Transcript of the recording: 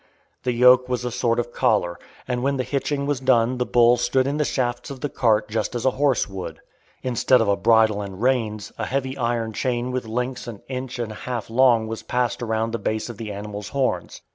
The yoke was a sort of collar, and when the hitching was done the bull stood in the shafts of the cart just as a horse would. Instead of a bridle and reins a heavy iron chain with links an inch and a half long was passed around the base of the animal's horns.